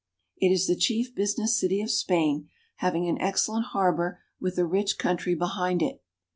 It is the chief business city of Spain, having an excellent harbor with a rich country behind it.